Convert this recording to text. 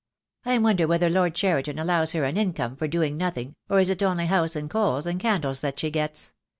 "I wonder whether Lord Cheriton allows her an income for doing nothing, or is it only house, and coals, and candles that she gets?"